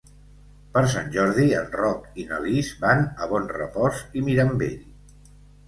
Per Sant Jordi en Roc i na Lis van a Bonrepòs i Mirambell.